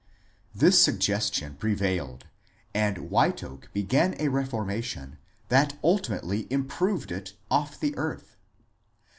This suggestion prevailed, and White Oak began a reformation that ultimately improved it off the earth.